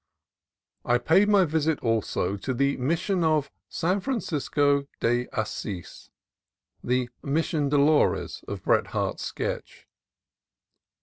I paid my visit also to the Mission of San Fran cisco de Asis, the "Mission Dolores" of Bret Harte's sketch.